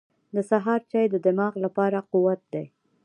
• د سهار چای د دماغ لپاره قوت دی.